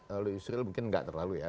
kalau yusril mungkin nggak terlalu ya